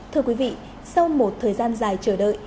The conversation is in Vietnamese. thưa quý vị sau một thời gian dài chờ đợi